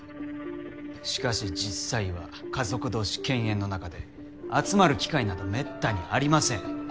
しかし実際は家族同士犬猿の仲で集まる機会など滅多にありません。